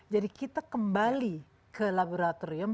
jadi kita kembali ke laboratorium